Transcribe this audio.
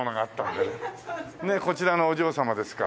こちらのお嬢様ですか。